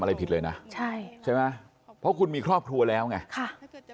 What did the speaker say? พี่สาวบอกแบบนั้นหลังจากนั้นเลยเตือนน้องตลอดว่าอย่าเข้าในพงษ์นะ